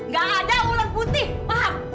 gak ada ular putih